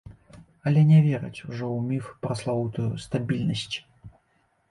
Але не вераць ужо ў міф пра славутую стабільнасць.